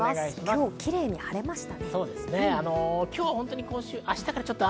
今日、キレイに晴れましたね。